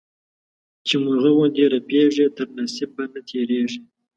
چي مرغه غوندي رپېږي، تر نصيب به نه تيرېږې.